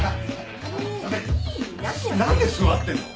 何で座ってんの？